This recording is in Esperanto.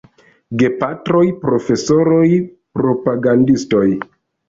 Gepatroj, Profesoroj, Propagandistoj!